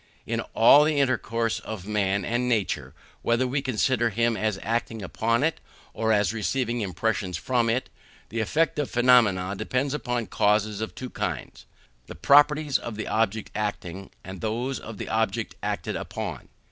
In all the intercourse of man with nature, whether we consider him as acting upon it, or as receiving impressions from it, the effect or phenomenon depends upon causes of two kinds: the properties of the object acting, and those of the object acted upon.